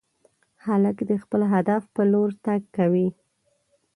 هلک د خپل هدف په لور تګ کوي.